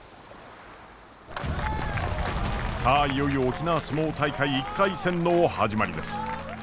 さあいよいよ沖縄角力大会１回戦の始まりです。